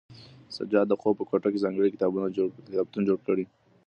سجاد د خوب په کوټه کې ځانګړی کتابتون جوړ کړ.